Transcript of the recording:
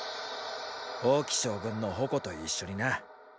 王騎将軍の矛と一緒にな。